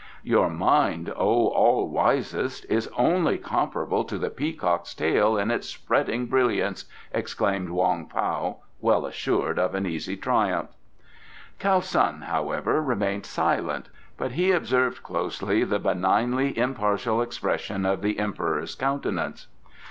"Your mind, O all wisest, is only comparable to the peacock's tail in its spreading brilliance!" exclaimed Wong Pao, well assured of an easy triumph. Kiau Sun, however, remained silent, but he observed closely the benignly impartial expression of the Emperor's countenance.